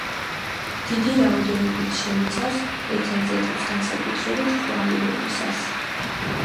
დიდი რაოდენობით შეიცავს ეთერზეთებს, განსაკუთრებით ყვავილობისას.